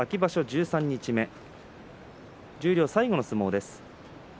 十三日目十両最後の相撲です。